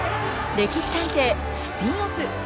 「歴史探偵」スピンオフ。